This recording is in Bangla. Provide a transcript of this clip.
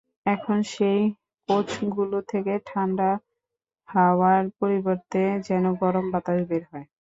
এখন সেই কোচগুলো থেকে ঠান্ডা হাওয়ার পরিবর্তে যেন গরম বাতাস বের হয়।